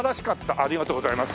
ありがとうございます。